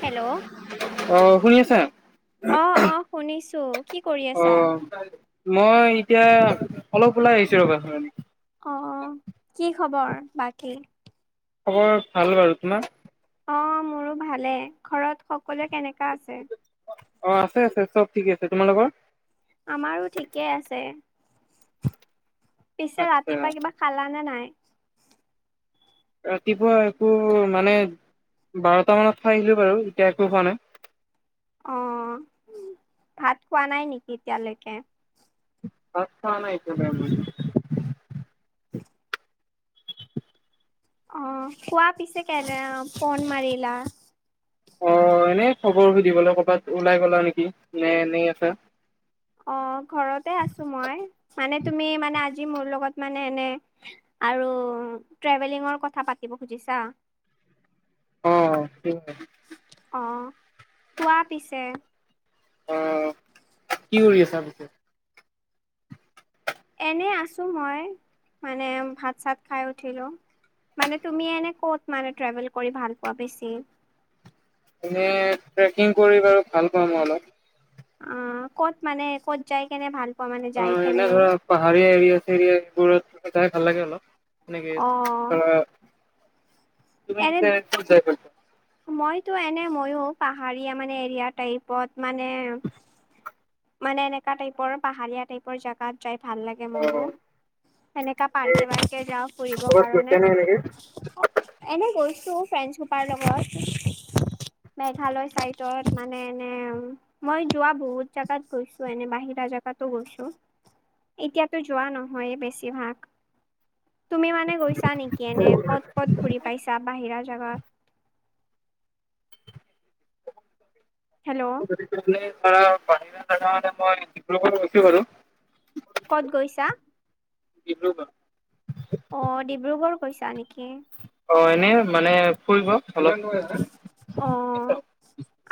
Hello অহ শুই আছা অ অ শুনিছো কি কৰি আছা অহ মই এতিয়া অলপ ওলাই আহিছো ৰবা অ কি খবৰ বাকী খবৰ ভাল বাৰু তোমাৰ অ মোৰো ভালে ঘৰত সকলোৱে কেনেকা আছে অ আছে আছে চব থিকে আছে তোমালোকৰ আমাৰো ঠিকেই আছে পিছে আচ্ছা ৰাতিপুৱা কিবা খালানে নাই ৰাতিপুৱা একো মানে বাৰটা মানত খাই আহিলো বাৰু এতিয়া একো খোৱা নাই। অ ভাত খোৱা নাই নিকি এতিয়ালৈকে। ভাত খোৱা নাই এতিয়ালে অ কোৱা পিছে কেলে ফন মাৰিলা অ এনেই খবৰ সুধিবলৈ ক'বাত ওলাই গলা নিকি নে এনেই আছা অ ঘৰতে আছো মই মানে তুমি মানে আজি মোৰ লগত মানে এনে আৰু ট্ৰেভেলিঙৰ কথা পাতিব খুজিছা অ অ কোৱা পিছে অ কি কৰি আছা পিছে এনেই আছো মই মানে ভাত চাত খাই উঠিলো মানে তুমি এনে ক'ত মানে ট্ৰেভেল কৰি ভাল পোৱা বেছি এনে ট্ৰেকিং কৰি বাৰু ভাল পাওঁ মই অলপ অ ক'ত মানে ক'ত যাই কেনে ভাল পোৱা মানে অ, যাই এনে কেনে ধৰা পাহাৰীয়া এৰিয়া চেৰিয়া এইবোৰ এটাই ভাল লাগে অলপ এনেকে অ ধৰা, এনে তুমি [unintelligible] মইতো এনে মইও, পাহাৰীয়া মানে এৰিয়া টাইপত মানে মানে এনেকা টাইপৰ পাহাৰীয়া টাইপৰ জাগাত যাই ভাল লাগে অ মোৰো। সেনেকা পাৰ্কে পাৰ্কে যাওঁ ফুৰিব ক'ৰবাত গৈছা কাৰণে। নে এনেকে এনে গৈছো ফ্ৰেণ্ডচ সোপাৰ লগত। মেঘালয় চাইডত মানে এনে মই যোৱা বহুত জাগাত গৈছো, এনে বাহিৰা জেগাতো গৈছো। এতিয়াতো যোৱা নহয়েই বেছিভাগ। তুমি মানে গৈছা নেকি এনে, ক'ত ক'ত ঘুৰি পাইছা বাহিৰা জেগাত? হেল্ল' [unintelligible] ধৰা বাহিৰা জাগা মানে মই ডিব্ৰুগড় গৈছো বাৰু। ক'ত গৈছা? ডিব্ৰুগড়। অ, ডিব্ৰুগড় কৈছা নেকি? অ, এনেও মানে ফুৰিব [unintelligible] অ',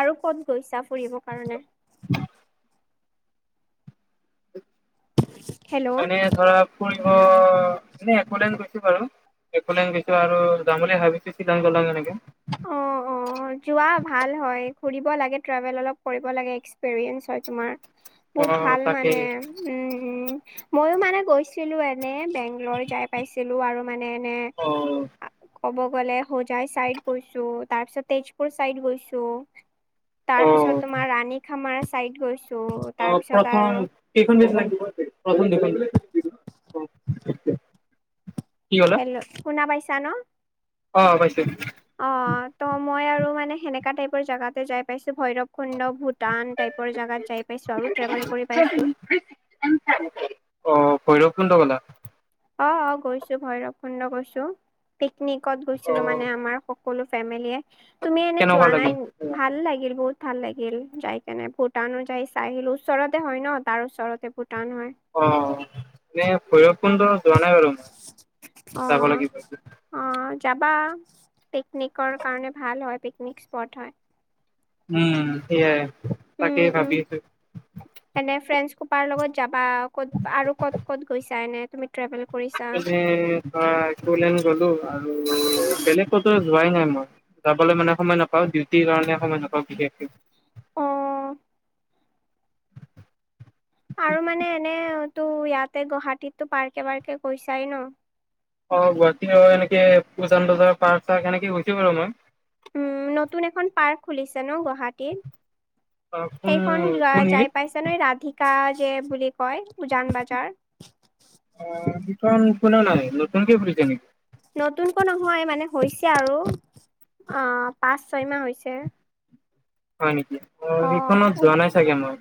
আৰু ক'ত গৈছা, ফুৰিব কাৰণে? [inaudible] হেল্ল' এনেই ধৰা ফুৰিব, এনেই এক'লেণ্ড গৈছো বাৰু এক'লেণ্ড গৈছো আৰু যাম বুলি ভাবিছো চিলং জলং এনেকে অ অ, যোৱা ভাল হয়, ঘুৰিব লাগে ট্ৰেভেল অলপ কৰিব লাগে, এক্সপেৰিয়েঞ্চ হয় তোমাৰ। অ বহুত ভাল মানে, তাকেই উম, উম, মইও মানে গৈছ ছিলো, এনে বেংল'ৰ যাই পাইছিলো আৰু মানে এনে ক'ব গ'লে হোজাই চাইদ গৈছো, তাৰ পিছত তেজপুৰ চাইদ গৈছো অ অ তাৰ পিছত তোমাৰ ৰাণী খামাৰ চাইড গৈছো, তাৰপিছত আৰু এইখন বেছ লাগিব তোক [unintelligible] হেল্ল', শুনা পাইছা ন'? অ' পাইছোঁ। অ', ত' মই আৰু মানে সেনেকা টাইপৰ জাগাতে যাই পাইছো ভৈৰৱ কুণ্ড, ভূটান টাইপৰ জেগাত যাই পাইছোঁ আৰু, ট্ৰেভেল কৰি পাইছোঁ। অ' ভৈৰৱকুণ্ড গলা? অ', গৈছো, ভৈৰৱকুণ্ড গৈছো। পিকনিকত অ গৈছিলো মানে আমাৰ সকলো ফেমিলিয়ে, তুমি এনে কেনেকুৱা যোৱা লাগিল নাই ভাল লাগিল বহুত। ভাল লাগিল যাই কেনে, ভূটানো যাই চাই আহিলোঁ, ওচৰতে হয় ন, তাৰ ওচৰতে ভূটান হয়। অ' এনে ভৈৰৱকুণ্ড যোৱা নাই বাৰু মই, অ যাব লাগিব। অ, যাবা, পিকনিকৰ কাৰণে ভাল হয়, পিকনিক স্পট হয়। উম, সেইয়াই, তাকে উম উম। ভাবি আছোঁ। এনে ফ্ৰেণ্ডচ সোপাৰ লগত যাবা, ক'ত আৰু ক'ত ক'ত গৈছা এনে? তুমি ট্ৰেভেল কৰিছা? এনে ধৰা [unintelligible] গলো আৰু বেলেগ ক'তো যোৱাই নাই মই। যাবলৈ মানে সময় নাপাওঁ, ডিউটিৰ কাৰণে সময় নাপাওঁ বিশেষকে। অ' আৰু মানে এনেতো ইয়াতে গুৱাহাটীতে পাৰ্কে পাৰ্কে গৈছাই ন? অ' গুৱাহাটী এনেকে উজান বজাৰ পাৰ্ক চাৰ্ক এনেকে গৈছোঁ বাৰু মই। উম, নতুন এখন পাৰ্ক খুলিছে ন গুৱাহাট টিত অ কোন সেইখন যোৱা কোনখিনিত যাই পাইছ যেনেই ৰাধিকা যে বুলি কয় উজান বাজাৰ অ', কুনে নাই নতুনকে খুলিছে নেকি? নতুনকৈ নহয় মানে হৈছে আৰু অ', পাঁচ ছয় মাহ হৈছে। হয় নেকি, অ', সেইখনত যোৱা নাই চাগে মই।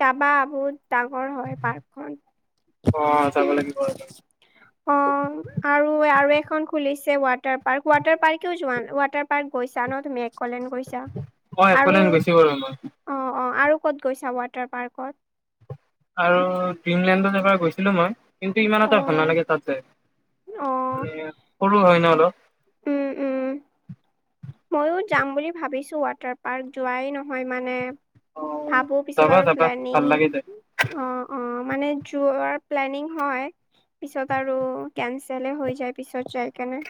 যাবা বহুত ডাঙৰ হয় পাৰ্কখন। অ যাব লাগিব ৰবা অ', আৰু আৰু এখন খুলিছে ৱাটাৰ পাৰ্ক ৱাটাৰ পাৰ্কেও যোৱা নাই ৱাটাৰ পাৰ্ক গৈছা ন তুমি, একলেন গৈছা অ আৰু [unintelligible] অ', অ', আৰু ক'ত গৈছা ৱাটাৰ পাৰ্কত? আৰু ড্ৰিমলেণ্ডত এবাৰ গৈছিলোঁ মই। কিন্তু ইমান এটা ভাল অ' নালাগে তাত যায় অ' মানে সৰু হয় ন অলপ। উম, উম। মইও যাম বুলি ভাবিছোঁ ৱাটাৰ পাৰ্ক, যোৱাই নহয় মানে অ ভাবো পিছত যাবা আৰু যাবা প্লেনিং ভাল লাগে যাই অ', অ', মানে যোৱাৰ প্লেনিং হয়। পিছত আৰু কেনচেলে হৈ যায়, পিছত যাই কেনে।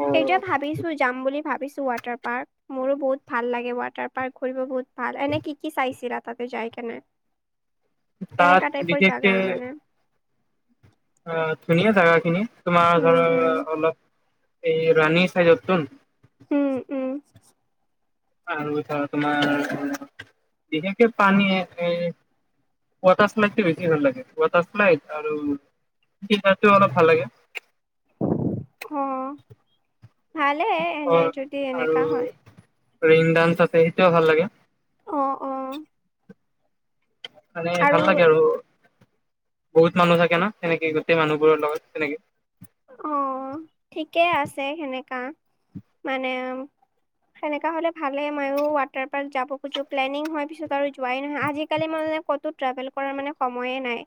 অ এতিয়া ভাবিছোঁ যাম বুলি ভাবিছোঁ ৱাটাৰ পাৰ্ক মোৰো বহুত ভাল লাগে ৱাটাৰ পাৰ্ক ঘুৰিব বহুত ভাল এনেই কি, কি চাইছিলা তাতে যাই কেনে, তাত কেনেকা টাইপৰ বিশেষকে জাগা মানে। অ', ধুনীয়া জাগাখিনি তোমাৰ ধৰ উম উম অলপ এই ৰাণী চাইদততোন। উম, উম। আৰু ধৰ তোমাৰ বিশেষকে পানী আছে ৱাটাৰ্লাইড বেছি ভাল লাগে, ৱাটাৰ্লাইড আৰু কিবা অলপ ভাল লাগে অ', ভালেই এনে যদি এনেকা হয়। ৰেইন ডান্স আছে সেইটোও ভাল লাগে। অ', অ'। মানে ভাল লাগে আৰু বহুত মানুহ থাকে না সেনেকে গোটেই মানুহ বোৰৰ লগত তেনেকে অ', ঠিকেই আছে সেনেকা মানে সেনেকা হ'লে ভালে, ময়ো ৱাটাৰ পাৰ্ক যাব খোজছো প্লেনিং হয় পিছত আৰু যোৱাই নহয়, আজিকালি মানে ক ত' ট্ৰেভেল কৰাৰ মানে সময়ে নাই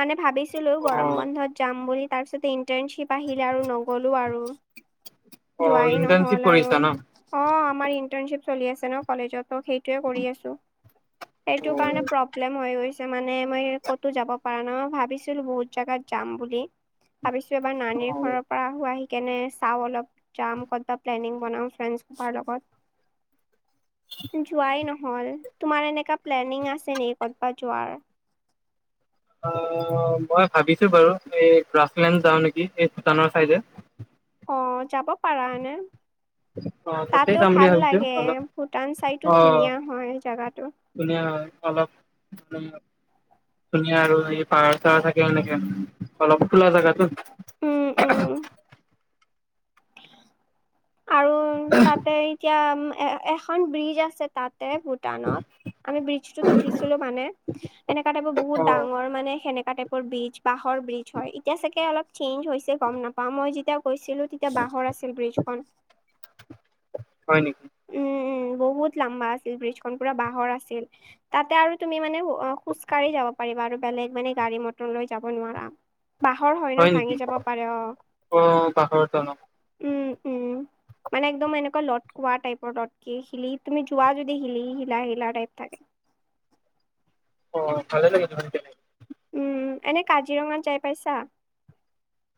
মানে ভাবিছোঁ ভাবিছিলোঁ অ গৰম বন্ধত যাম বুলি, তাৰ পিছতে ইণ্টাৰ্নশ্বিপ আহিলে আৰু নগ নগলো আৰু অ যোৱাই ইণ্টাৰ্ণশ্বিপ নহ'ল আৰু কৰিছা ন অ', আমাৰ ইন্টাৰ্ণশ্বিপ চলি আছে ন কলেজত ত সেইটোৱে কৰি আছোঁ। সেইটো কাৰণে প্ৰব্লেম প্ৰব্লেম হৈ গৈছে মানে মই ক'তো যাব পৰা নাই মই ভাবিছিলোঁ বহুত জাগাত যাম বুলি ভাবিছোঁ এবাৰ অ নানীৰ ঘৰত তাৰ পৰা আহি কেনে চাওঁ অলপ, যাম ক'ত বা প্লেনিং বনাওঁ ফ্ৰেঞ্চ সোপাৰ লগত [inaudible] যোৱাই নহ'ল তোমাৰ এনেকা প্লেনিং আছে নেকি ক'বাত যোৱাৰ অ', মই ভাবিছোঁ বাৰু এই গ্ৰাছলেণ্ড যাওঁ নেকি, এই ভূটানৰ চাইডে। অ', যাব পাৰা এনে। অ তাতে তাতো যাম বুলি ভাল ভাবিছো লাগে, অলপ ভূটান চাইডো অ ধুনীয়া হয় জাগাটো। ধুনীয়া হয় অলপ ভূটানখন। ধুনীয়া আৰু এই পাহাৰ চাহাৰ থাকে সেনেকে অলপ খোলা জাগাটো। উম, উম। আৰু তাতে এতিয়া এ এখন ব্ৰিজ আছে তাতে ভূটানত, আমি ব্ৰিজ টোত উঠিছিলো মানে, এনেকা টাইপৰ অ বহুত ডাঙৰ মানে সেনেকা টাইপ ব্ৰীজ বাঁহৰ ব্ৰীজ হয়। এতিয়া চাগে অলপ চেঞ্জ হৈছে গম নাপাওঁ মই যেতিয়া গৈছিলো সেই বাঁহৰ আছিল ব্ৰীজখন হয়' নেকি? উম' উম' বহুত লম্বা আছিল ব্ৰীজখন পুৰা বাঁহৰ আছিল। তাতে আৰু তুমি মানে অ'খোজকাঢ়ি যাব পাৰিবা, আৰু বেলেগ মানে গাড়ী মটৰ লৈ যাব নোৱাৰা। বাঁহৰ হয় ন, ভাঙি যাব পাৰে। অ' অ পাহৰ তলত উম' উম--মানে একদম এনেকুৱা ল লতকোৱা টাইপৰ লতকি শিলি তুমি যোৱা যদি হিলি হিলা হিলা টাইপ থাকে। অ' ভালে লাগে তেনেকে। উম' এনে কাজিৰঙাত যাই পাইছা?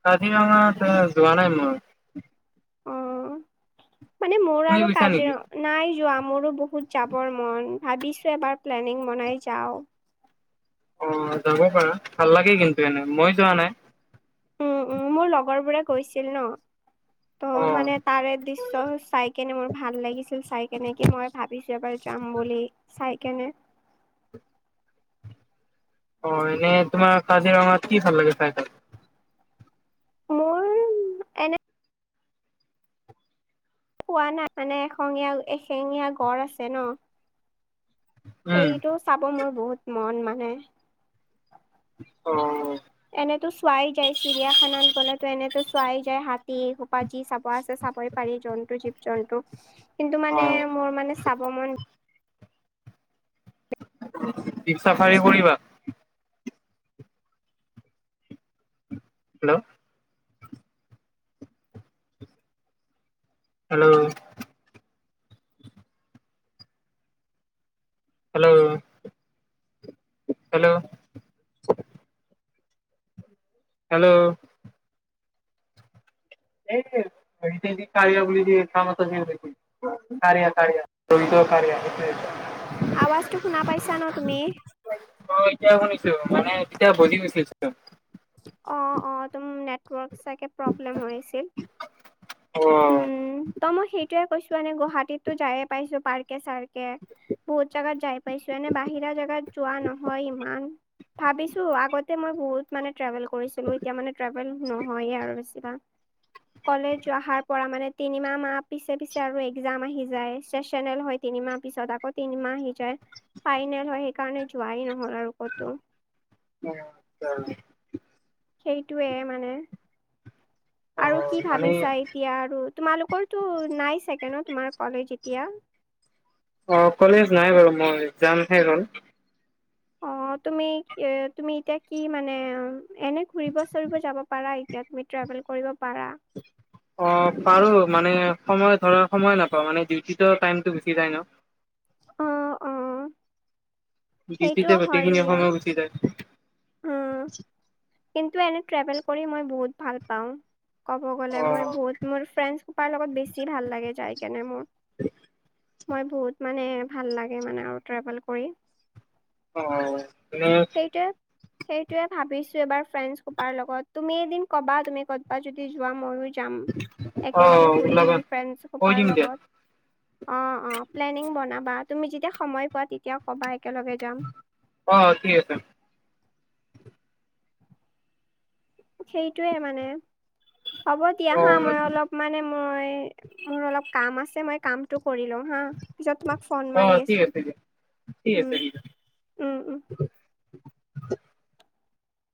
কাজিৰঙাত এই, যোৱা নাই মই। অ। মানে মোৰ তুমি আৰু গৈছা নেকি কাজিৰঙা, নাই যোৱা মোৰো বহুত যাবৰ মন ভাবিছোঁ এবাৰ প্লেনিং বনাই যাওঁ। অ' যাব পাৰা ভাল লাগে কিন্তু এনে, মই যোৱা নাই। উম' উম' মোৰ লগৰ বোৰে গৈছিল ন? ত অ মানে তাৰে দৃশ্য চাই। কেনে মোৰ ভাল লাগিছিল। চাই কেনে কি মই ভাবিছোঁ এবাৰ যাম বুলি চাই কেনে অ' এনে তোমাৰ কাজিৰঙাত কি ভাল লাগে? চাইডত, মোৰ এনে, পোৱা নাই মানে এশিঙীয়া ল' এশিঙীয়া গড় আছে ন? উম সেইটো চাবৰ মোৰ বহুত মন মানে, অ' এনেটো চোৱাই যায়। চিৰিয়াখানাত গ'লেটো এনেটো চোৱাই যায়, হাতী সোপা যি চাব চাবই পাৰি জন্তু, জীৱ -জন্তু কিন্তু অ মানে মোৰ মানে চাব মন জিপ চাফাৰী কৰিবা? Hello hello hello hello, hello [unintelligible] কাৰিয়া, কাৰিয়া ৰহিতৰ কাৰিয়া, সেইটোৱে। আৱাজটো শুনা পাইছা ন তুমি? অ' এতিয়া শুনিছোঁ মানে, তেতিয়া বজি গৈছিলে ভয়জটো। অ' অ' তোমাৰ নেটৱৰ্ক চাগে প্ৰব্লেম হৈ আছিল। অ', উম ত মই সেইটোয়ে কৈছো এনে গুৱাহাটীতো যায়ে পাইছো পাৰ্কে চাৰ্কে বহুত জোগাত যাই পাইছো। এনে বাহিৰা জেগাত যোৱা নহয় ইমান ভাবিছো আগতে মই বহুত মানে ট্ৰেভেল কৰিছিলো। এতিয়া মানে ট্ৰেভেল নহয়ে আৰু বেছি বা কলেজ অহাৰ কৰা মানে তিনিমাহ মাহ পিছে পিছে আৰু একজাম আহি যায় চেচনেল হয় তিনিমাহ পিছত আগত তিনিমাহ সি যায় ফাইনেল হয় সেইকাৰণে যোৱাই নহল আৰু ক'তো উম সেইটোৱে মানে অ আৰু কি মানে ভাবিছা এতিয়া আৰু তোমালোকৰতো নাই চাগে ন, তোমাৰ কলেজ এতিয়া। অ', কলেজ নাই বাৰু, মোৰ এক্সজাম শেষ হ'ল। অ', তুমি এ, তুমি এতিয়া কি মানে, এনে ফুৰিব-চুৰিব যাব পাৰা এতিয়া তুমি ট্ৰেভেল কৰিব পাৰা। [inaudible] অ', পাৰো মানে সময় ধৰা সময় নাপাও, মানে ডিউটি টাইমতটো গুচি যায় ন। অ', অ। সেইটো ডিউটিতে হয় গোটেইখিনি দিয়া। সময় গুচি যায়। উম, কিন্তু এনে ট্ৰেভেল কৰি মই বহুত ভাল পাওঁ। ক'ব অ গ'লে, মই বহুত মোৰ ফ্ৰেণ্ড কোপাৰ লগত বেছি ভাল লাগে, যাই কেনে মোৰ। মই বহুত মানে ভাল লাগে মানে আৰু ট্ৰেভেল কৰি। অ', অ', মানে সেইটোৱে, সেইটোৱে ভাবিছো এবাৰ ফ্ৰেণ্ড কোপাৰ লগত, তুমি এদিন ক'বা তুমি ক'ৰবাত যদি যোৱা ময়ো যাম, অ একেলগে ফুৰি ওলাবা আহিম ফ্ৰেন্সে কৈ খোপাৰ দিম দিয়া লগত। অ', অ, প্লেনিং বনাবা, তুমি যেতিয়া সময় পোৱা তেতিয়া কবা, একেলগে যাম। অ', ঠিক আছে। সেইটোয়ে মানে, হ'ব দিয়া অ হা, মই অলপ মানে মই, মোৰ অলপ কাম আছে, মই কাম কৰি লও হা, পিছত তোমাক ফোন অ মাৰি ঠিক আছো, আছে দিয়া। ঠিক উম আছে ঠিক আছে উম।